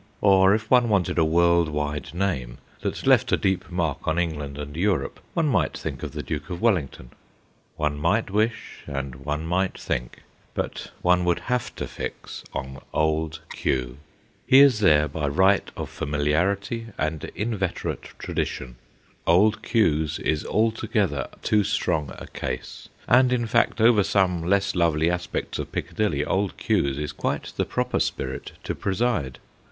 Or if one wanted a world wide name, that left a deep mark on England and Europe, one might think of the Duke of Wellington. One might wish and one might think, but one would have to fix on Old Q. He is there by right of familiarity and inveterate tradition. Old Q.'s is alto gether too strong a case, and, in fact, over some less lovely aspects of Piccadilly Old Q.'s is quite the proper spirit to preside.